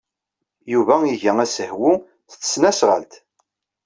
Yuba iga asehwu s tesnasɣalt.